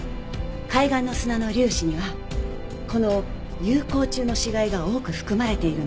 海岸の砂の粒子にはこの有孔虫の死骸が多く含まれているの。